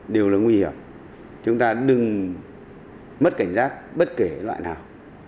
điều này nguy hiểm chúng ta đừng mất cảnh giác bất kể loại nào